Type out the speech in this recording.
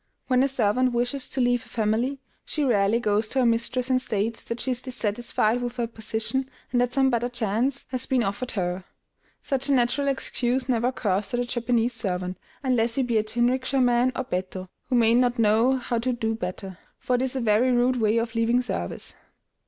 When a servant wishes to leave a family, she rarely goes to her mistress and states that she is dissatisfied with her position, and that some better chance has been offered her. Such a natural excuse never occurs to the Japanese servant, unless he be a jinrikisha man or bettō, who may not know how to do better; for it is a very rude way of leaving service.